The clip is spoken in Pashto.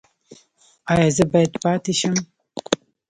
ایا زه باید پاتې شم؟